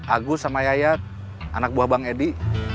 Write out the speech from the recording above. agus sama yayat anak buah bang edi